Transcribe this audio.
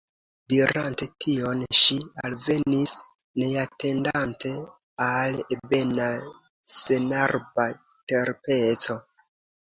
Dirante tion, ŝi alvenis, neatendante, al ebena senarba terpeco.